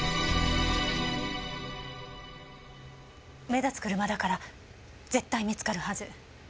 目立つ車だから絶対見つかるはず。